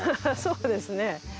そうですね。